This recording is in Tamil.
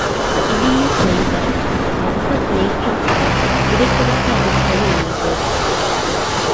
இனிய செல்வ, வந்த பிளேக்கிற்கு விடைகொடுத்து அனுப்புவது எளிது!